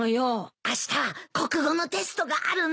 あした国語のテストがあるんだ。